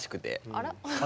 あら？